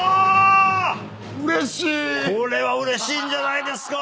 これはうれしいんじゃないですか。